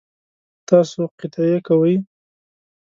تاسو قطعی کوئ؟